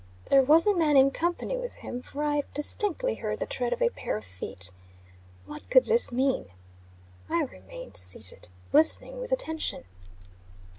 There was a man in company with him, for I distinctly heard the tread of a pair of feet. What could this mean? I remained seated, listening with attention.